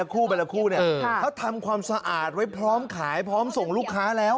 เขาทำความสะอาดไว้พร้อมขายพร้อมส่งลูกค้าแล้ว